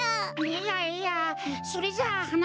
いやいやそれじゃあはな